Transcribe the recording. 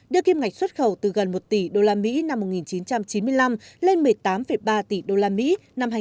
đưa kim ngạch xuất khẩu từ gần một tỷ usd năm một nghìn chín trăm chín mươi năm lên một mươi tám ba